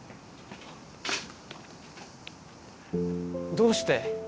どうして？